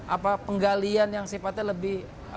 apa penggalian yang sifatnya lebih